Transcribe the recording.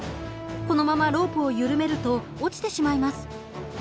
このままロープを緩めると落ちてしまいます。